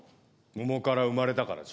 桃から生まれたからでしょ。